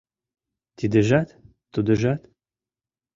Тидыжат, тудыжат.